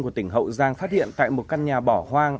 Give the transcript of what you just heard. của tỉnh hậu giang phát hiện tại một căn nhà bỏ hoang